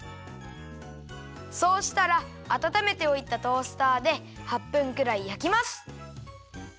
そうしたらあたためておいたトースターで８分くらいやきます。